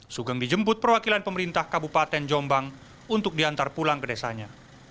sugeng dijemput perwakilan pemerintah kabupaten jombang untuk diantar pulang ke desanya